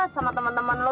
sama temen temen lo